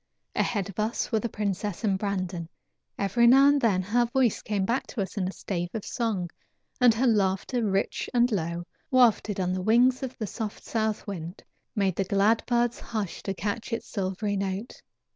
Ahead of us were the princess and Brandon. Every now and then her voice came back to us in a stave of a song, and her laughter, rich and low, wafted on the wings of the soft south wind, made the glad birds hush to catch its silvery note.